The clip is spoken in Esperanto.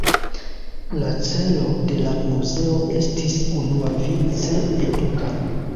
La celo de la muzeo estis unuavice eduka.